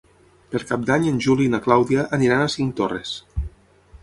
Per Cap d'Any en Juli i na Clàudia aniran a Cinctorres.